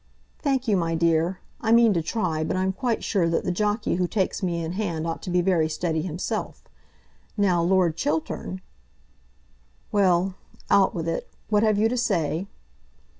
"Thank you, my dear. I mean to try, but I'm quite sure that the jockey who takes me in hand ought to be very steady himself. Now, Lord Chiltern " "Well, out with it. What have you to say?"